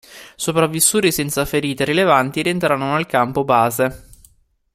Sopravvissuti senza ferite rilevanti, rientrano al campo base.